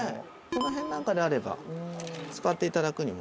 この辺なんかであれば使っていただくにも。